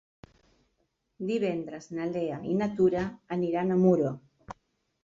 Divendres na Lea i na Tura aniran a Muro.